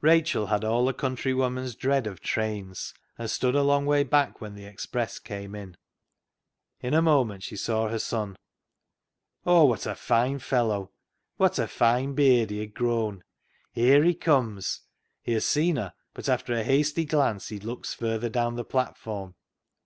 Rachel had all a countrywoman's dread of trains, and stood a long way back when the express came in. In a moment she saw her son. Oh, what a fine fellow ! What a fine beard he had grown ! Here he comes ! He has seen her, but after a hasty glance he looks farther down the platform.